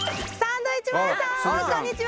サンドウィッチマンさんこんにちは！